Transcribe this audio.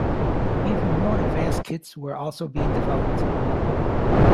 Even more advanced kits were also being developed.